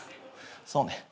そうね。